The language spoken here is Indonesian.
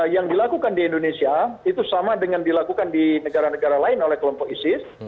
yang dilakukan di indonesia itu sama dengan dilakukan di negara negara lain oleh kelompok isis